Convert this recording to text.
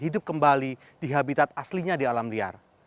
hidup kembali di habitat aslinya di alam liar